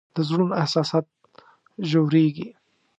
د زړونو احساسات ژورېږي